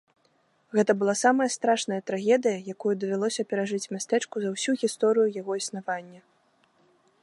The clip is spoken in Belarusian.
Гэта была самая страшная трагедыя, якую давялося перажыць мястэчку за ўсю гісторыю яго існавання.